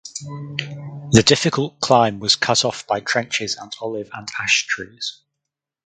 The difficult climb was cut off by trenches and olive and ash trees.